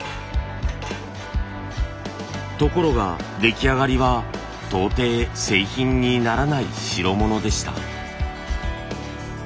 ところが出来上がりは到底製品にならない代物でした。